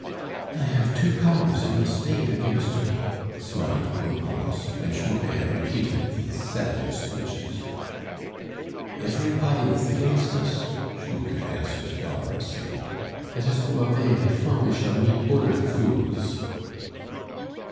"I have two powers in the State against me," smiled poor Pons, when Schmucke had repeated these savage speeches. "Eferpody is against us," Schmucke answered dolorously. "Let us go avay pefore we shall meed oder fools."